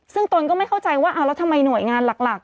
ซึ่งตนก็ไม่เข้าใจว่าเอาแล้วทำไมหน่วยงานหลัก